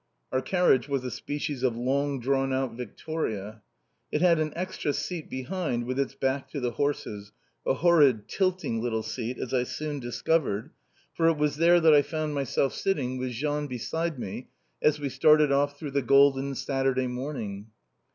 Our carriage was a species of long drawn out victoria. It had an extra seat behind, with its back to the horses, a horrid, tilting little seat, as I soon discovered, for it was there that I found myself sitting, with Jean beside me, as we started off through the golden Saturday morning.